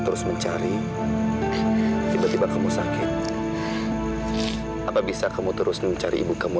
selama itu bisa bikin kamu tersenyum